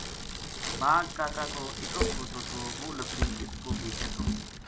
باج کاکا کو اکو کھوتو تھو وہ لکڑی اس پو بیچے تھو